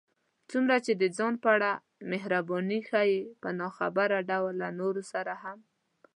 څومره چې د ځان په اړه محرباني ښيې، په ناخبره ډول له نورو سره هم